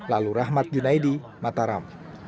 lalu rahmat yunaidi mataram